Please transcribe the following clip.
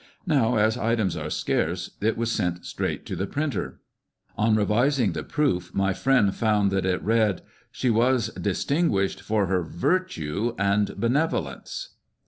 Now, as items are scarce, it was sent straight to the printer. On revising the proof my friend found that it read, " she was distinguished for her virtue and benevolence."